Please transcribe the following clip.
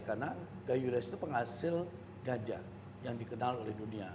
karena gayo luas itu penghasil ganja yang dikenal oleh dunia